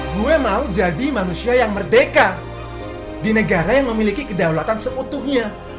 gue mau jadi manusia yang merdeka di negara yang memiliki kedaulatan seutuhnya